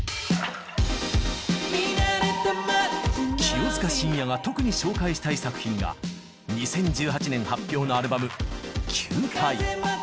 清塚信也が特に紹介したい作品が２０１８年発表のアルバム「球体」。